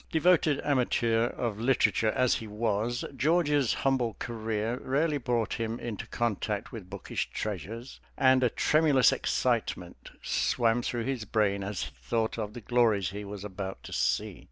Devoted amateur of literature as he was, George's humble career rarely brought him into contact with bookish treasures, and a tremulous excitement swam through his brain as he thought of the glories he was about to see.